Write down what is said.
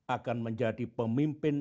akan menjadi pemimpin